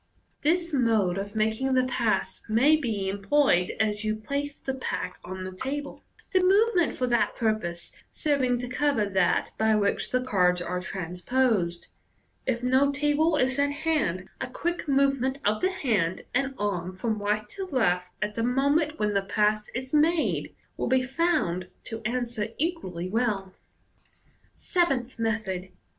This mode of making the pass may be employed as you place the pack on the table, the move ment for that purpose serv ing to cover that by which the cards are transposed. If no table is at hand a quick movement of the hand and arm from right to left, at the moment when the pass is made, will be found to answer equally well. Seventh Method.